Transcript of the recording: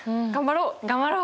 頑張ろう！